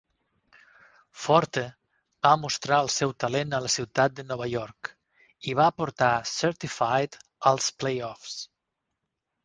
Forte va mostrar el seu talent a la ciutat de Nova York i va portar Certified als playoffs.